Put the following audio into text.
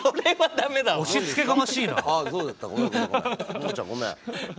ももちゃんごめん。